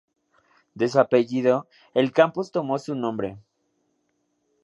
De su apellido, el campus tomó su nombre.